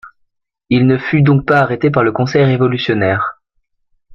Il ne fut donc pas arrêté par le Conseil révolutionnaire.